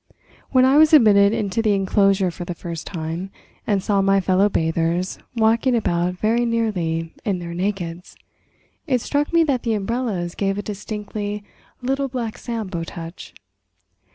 When I was admitted into the enclosure for the first time, and saw my fellow bathers walking about very nearly "in their nakeds," it struck me that the umbrellas gave a distinctly "Little Black Sambo" touch.